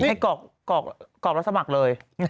ให้กรอกรับสมัครเลย